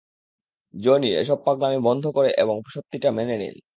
Johnny, এসব পাগলামি বন্ধ করে বরং সত্যিটা মেনে নিন।